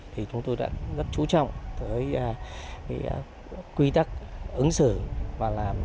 thì chúng tôi đã rất chú trọng tới quy tắc ứng xử và hướng tới